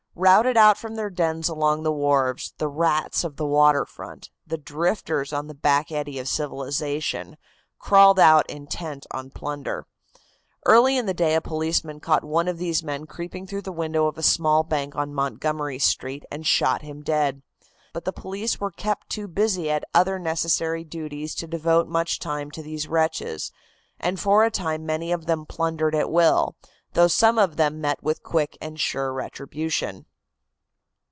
Routed out from their dens along the wharves, the rats of the waterfront, the drifters on the back eddy of civilization, crawled out intent on plunder. Early in the day a policeman caught one of these men creeping through the window of a small bank on Montgomery Street and shot him dead. But the police were kept too busy at other necessary duties to devote much time to these wretches, and for a time many of them plundered at will, though some of them met with quick and sure retribution.